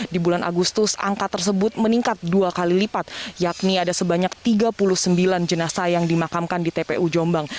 di bulan agustus angka tersebut meningkat dua kali lipat yakni ada sebanyak tiga puluh sembilan jenasa yang dimakamkan di tpu jombang